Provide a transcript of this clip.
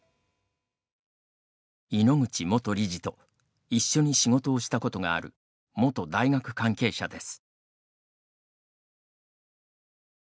井ノ口元理事と一緒に仕事をしたことがある元大学関係者です。